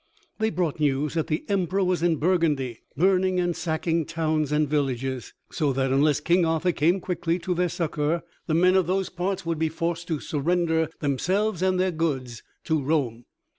They brought news that the Emperor was in Burgundy, burning and sacking towns and villages, so that, unless King Arthur came quickly to their succor, the men of those parts would be forced to surrender themselves and their goods to Rome.